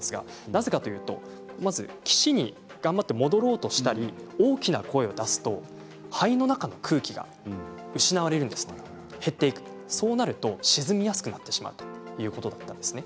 なぜかというと必死に頑張って戻ろうとしたり大きな声を出すと肺の中の空気が失われるんです減っていくそうすると沈みやすくなってしまうということなんですね。